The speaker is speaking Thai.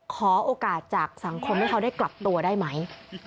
ขอโอกาสจากสังคมให้เขาได้กลับตัวได้ไหม